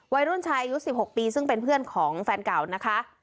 วัยรุ่นชายอายุ๑๖ปีซึ่งเป็นเพื่อนของแฟนเก่านะคะ